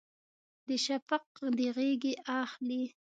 د شفق د غیږې اخلي